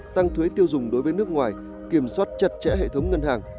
tăng thuế tiêu dùng đối với nước ngoài kiểm soát chặt chẽ hệ thống ngân hàng